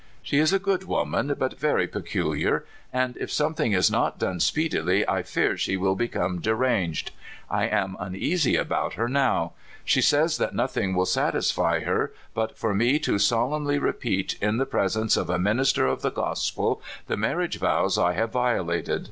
She is a good woman, but ver\^ peculiar, and if something is not done speedily I fear she will become deranged. I am uneasy about her nowc She says that nothing will satisfy her but for me to solemnly repeat, in the presence of a minister of the gospel, the marriage vows I have violated.